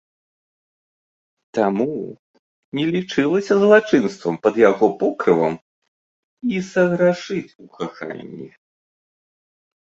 Таму не лічылася злачынствам пад яго покрывам і саграшыць у каханні.